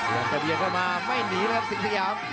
แล้วกระเบียงเข้ามาไม่หนีแล้วครับสิงสยาม